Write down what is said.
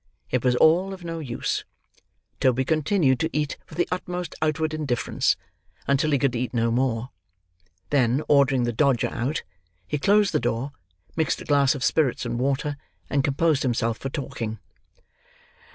It was all of no use. Toby continued to eat with the utmost outward indifference, until he could eat no more; then, ordering the Dodger out, he closed the door, mixed a glass of spirits and water, and composed himself for talking.